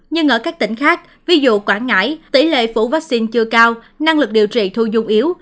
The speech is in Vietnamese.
nhưng ở các tỉnh khác ví dụ quảng ngãi tỷ lệ phủ vaccine chưa cao năng lực điều trị thu dung yếu